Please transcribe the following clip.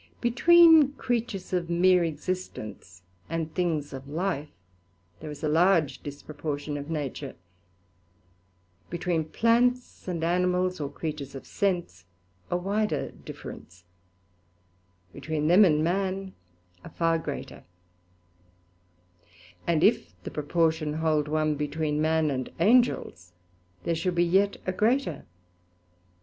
Between creatures of meer existence and things of life, there is a large disproportion of nature; between plants and animals or creatures of sense, a wider difference; between them and man, a far greater: and if the proportion hold one, between Man and Angels there should be yet a greater.